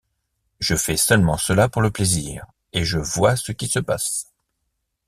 Je fais seulement cela pour le plaisir et je vois ce qui se passe.